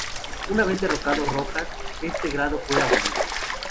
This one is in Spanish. Una vez derrocado Rojas, este grado fue abolido.